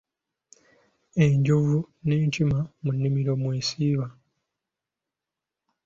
Enjovu n’enkima mu nnimiro mwe zisiiba.